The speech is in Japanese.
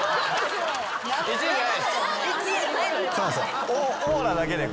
１位じゃないっす。